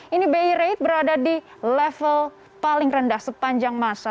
ini bi rate berada di level paling rendah sepanjang masa